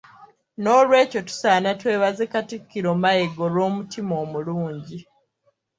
Nolwekyo tusaana twebaze Katikkiro Mayiga olw'omutima omulungi.